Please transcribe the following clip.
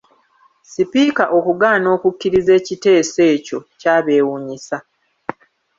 Sipiika okugaana okukiriza ekiteeso ekyo kyabeewuunyisa!